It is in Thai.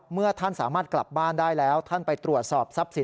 เมื่อท่านสามารถกลับบ้านได้แล้วท่านไปตรวจสอบทรัพย์สิน